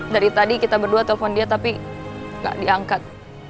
dari tadi kita berdua telepon dia tapi gak diangkat